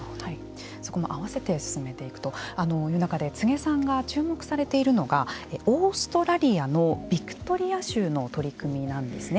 そこも合わせて進めていくという中で柘植さんが注目されているのがオーストラリアのビクトリア州の取り組みなんですね。